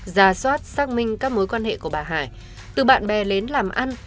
ra soát xác minh các mối quan hệ của bà hải từ bạn bè đến làm ăn